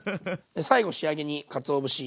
最後仕上げにかつおぶし。